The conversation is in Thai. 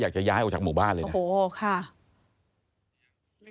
อยากจะย้ายออกจากหมู่บ้านเลยนะ